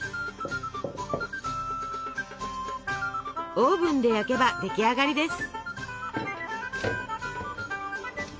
オーブンで焼けば出来上がりです。